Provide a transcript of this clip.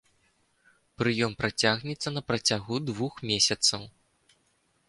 Прыём працягнецца на працягу двух месяцаў.